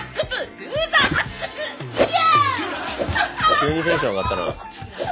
急にテンション上がったな。